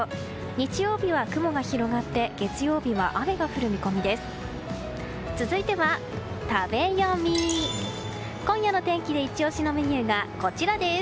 日曜日は雲が広がって月曜日は雨が降る見込みです。